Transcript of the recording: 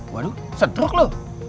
waduh sedruk lu